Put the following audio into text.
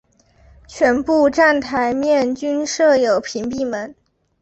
全部站台面均设有屏蔽门。